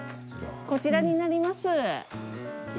こちらになります。